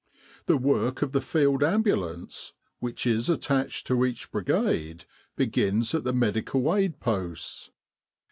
The work of the Field Ambulance which is at tached to each Brigade begins at the Medical Aid Posts.